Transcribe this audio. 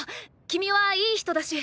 君はいい人だし。